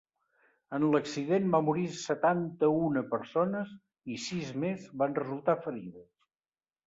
En l’accident van morir setanta-una persones i sis més van resultar ferides.